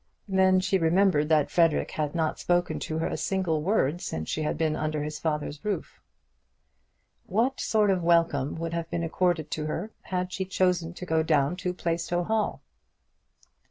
Then she remembered that Frederic had not spoken to her a single word since she had been under his father's roof. What sort of welcome would have been accorded to her had she chosen to go down to Plaistow Hall?